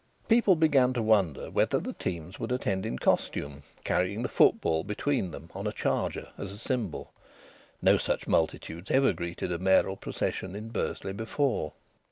People began to wonder whether the teams would attend in costume, carrying the football between them on a charger as a symbol. No such multitudes ever greeted a mayoral procession in Bursley before.